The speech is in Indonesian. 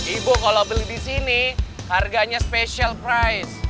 ibu kalau beli di sini harganya special price